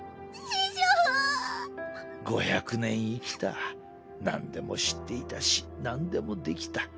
師匠５００年生きたなんでも知っていたしなんでもできた。